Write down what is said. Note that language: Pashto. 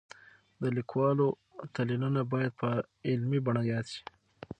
د لیکوالو تلینونه باید په علمي بڼه یاد شي.